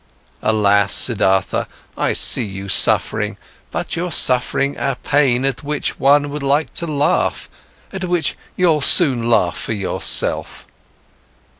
Alas, Siddhartha, I see you suffering, but you're suffering a pain at which one would like to laugh, at which you'll soon laugh for yourself."